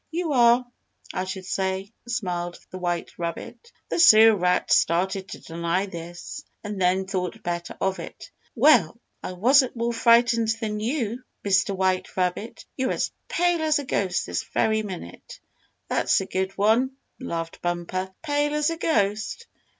"You are, I should say," smiled the white rabbit. The Sewer Rat started to deny this, and then thought better of it. "Well, I wasn't more frightened than you, Mr. White Rabbit. You're as pale as a ghost this very minute." "That's a good one," laughed Bumper. "Pale as a ghost!